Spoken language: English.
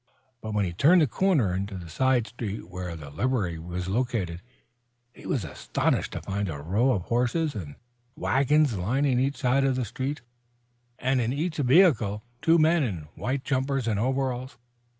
But when he turned the corner into the side street where the livery was located he was astonished to find a row of horses and wagons lining each side of the street, and in each vehicle two men in white jumpers and overalls.